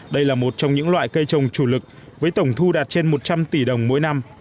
đây là một trong những loại cây trồng chủ lực với tổng thu đạt trên một trăm linh tỷ đồng mỗi năm